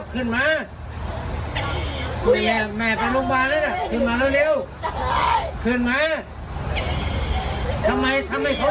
ขึ้นไหมทำไมเขาถือร้อนเข้ามาบันได้ไม่รู้